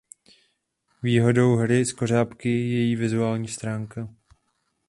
Výhodou hry Skořápky je její vizuální stránka.